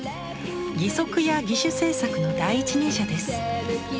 義足や義手製作の第一人者です。